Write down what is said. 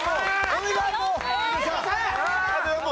お願いもう！